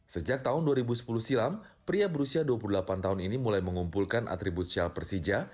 sejak tahun dua ribu sepuluh silam pria berusia dua puluh delapan tahun ini mulai mengumpulkan atribut syal persija